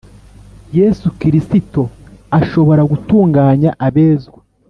yesu kirisito ashobora gutunganya abezwa